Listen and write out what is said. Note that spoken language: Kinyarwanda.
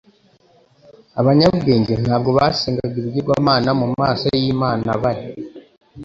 Abanyabwenge nta bwo basengaga ibigirwamana mu maso y'Imana bari.